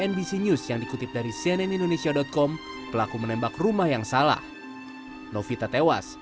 nbc news yang dikutip dari cnn indonesia com pelaku menembak rumah yang salah novita tewas